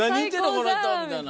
この人みたいな。